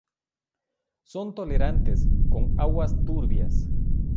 Son tolerantes con aguas turbias.